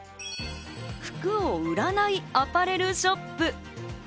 服を売らないアパレルショップ。